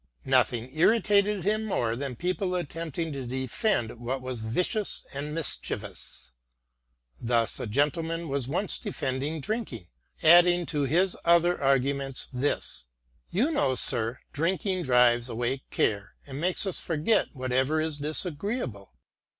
Nothing irritated him more than people attempting to defend what was vicious and mischievous. Thus a gentleman was once defending drinking, adding to his other arguments this :" You know, sir, drinking drives away care and makes us forget whatever is dis agreeable.